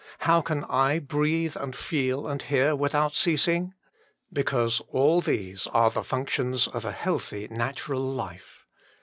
How can I breathe and feel and hear without ceasing ? Because all these are the functions of a healthy, natural life.